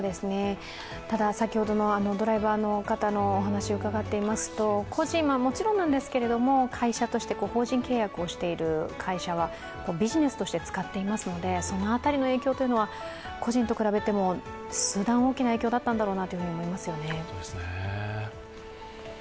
ただ、先ほどのドライバーの方のお話を伺っていますと個人はもちろんなんですが会社として法人契約をしている会社はビジネスとして使っていますので、その辺りの影響というのは個人と比べても数段大きな影響だったんだろうなと思いますよね。